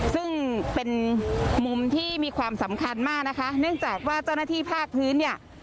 ซึ่งเป็นมุมที่มีความสำคัญมากนะคะเนื่องจากว่าเจ้าหน้าที่ภาคพื้นเนี่ย